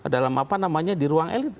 dalam apa namanya di ruang elit